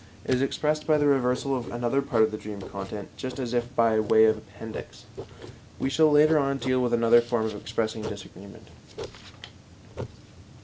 It is expressed by the reversal of another part of the dream content just as if by way of appendix. We shall later on deal with another form of expressing disagreement.